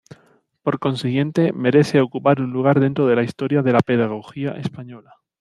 Por consiguiente, merece ocupar un lugar dentro de la historia de la pedagogía española.